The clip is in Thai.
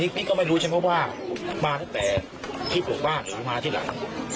หินนี้ก็ไม่รู้ฉันเพราะว่ามาตั้งแต่ที่ผมบ้านหรือมาที่หลัง